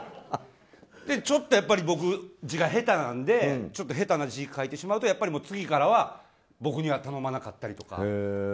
ちょっと僕、字が下手なので下手な字を書いてしまうとやっぱり、次からは僕には頼まなかったりとか。